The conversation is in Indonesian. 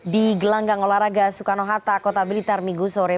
di gelanggang olahraga sukarno hatta kota belitar migusore